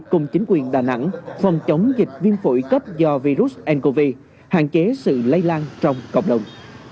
cùng chính quyền đà nẵng phòng chống dịch viêm phổi cấp do virus ncov hạn chế sự lây lan trong cộng đồng